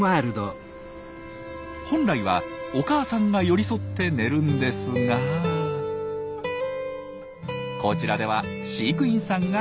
本来はお母さんが寄り添って寝るんですがこちらでは飼育員さんが添い寝。